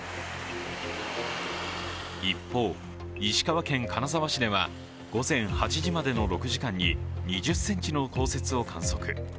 一方、石川県金沢市では午前８時までの６時間に２０ｃｍの降雪を観測。